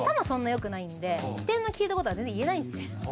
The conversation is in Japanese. そんなよくないんで機転の利いたことは全然言えないんですよ。